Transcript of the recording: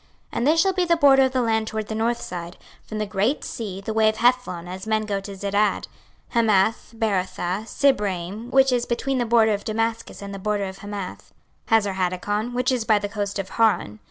26:047:015 And this shall be the border of the land toward the north side, from the great sea, the way of Hethlon, as men go to Zedad; 26:047:016 Hamath, Berothah, Sibraim, which is between the border of Damascus and the border of Hamath; Hazarhatticon, which is by the coast of Hauran.